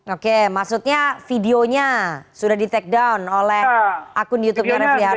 oke maksudnya videonya sudah di take down oleh akun youtubenya refli hasan